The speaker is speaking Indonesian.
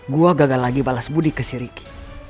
gue gagal lagi balas budi ke si riki